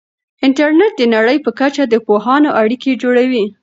انټرنیټ د نړۍ په کچه د پوهانو اړیکې جوړوي.